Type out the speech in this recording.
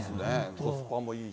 コスパもいいし。